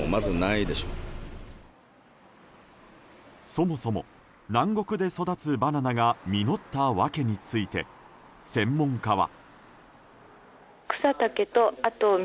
そもそも、南国で育つバナナが実った訳について専門家は。